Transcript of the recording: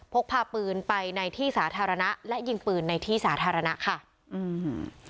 พกพาปืนไปในที่สาธารณะและยิงปืนในที่สาธารณะค่ะอืม